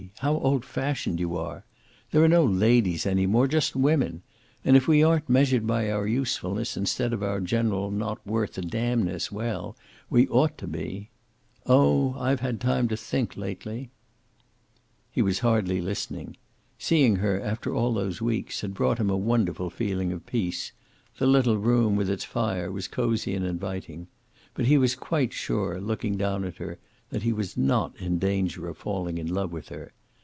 How old fashioned you are! There are no ladies any more. Just women. And if we aren't measured by our usefulness instead of our general not worth a damn ness, well, we ought to be. Oh, I've had time to think, lately." He was hardly listening. Seeing her, after all those weeks, had brought him a wonderful feeling of peace. The little room, with its fire, was cozy and inviting. But he was quite sure, looking down at her, that he was not in danger of falling in love with her.